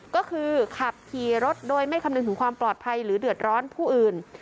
ก็คือขับขี่รถโดยไม่คำนึงถึงความปลอดภัยหรือเดือดร้อนผู้อื่น